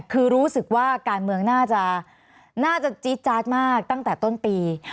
คือรู้สึกว่าการเมืองน่าจะน่าจะจี๊ดจาดมากตั้งแต่ต้นปี